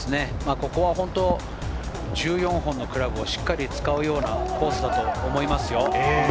ここは本当、１４本のクラブをしっかり使うようなコースだと思います。